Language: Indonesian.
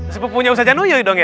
sepupunya ustadz januyuri dong ya